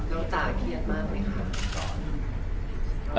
แล้วจ่าเครียดมากไหมครับ